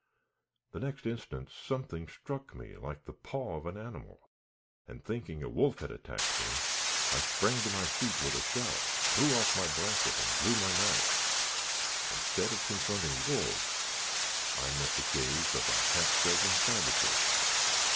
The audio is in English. The next instant something struck me like the paw of an animal; and, thinking a wolf had attacked me, I sprang to my feet with a shout, threw off my blanket, and drew my knife. Instead of confronting wolves, I met the gaze of a half dozen savages!